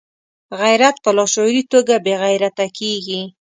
غیرت په لاشعوري توګه بې غیرته کېږي.